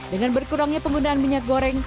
dengan berkurangnya penggunaan minyak goreng